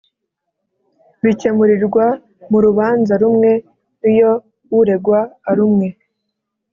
Bikemurirwa mu rubanza rumwe iyo uregwa arumwe